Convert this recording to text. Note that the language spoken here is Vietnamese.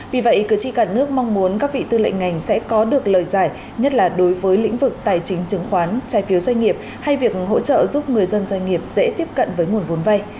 vì vậy cử tri cả nước mong muốn các vị tư lệnh ngành sẽ có được lời giải nhất là đối với lĩnh vực tài chính chứng khoán trái phiếu doanh nghiệp hay việc hỗ trợ giúp người dân doanh nghiệp dễ tiếp cận với nguồn vốn vay